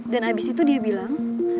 dan abis itu dia bilang